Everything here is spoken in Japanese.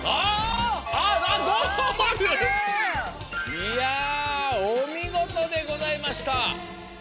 いやおみごとでございました。